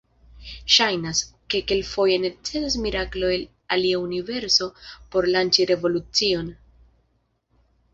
Ŝajnas, ke kelkfoje necesas miraklo el alia universo por lanĉi revolucion.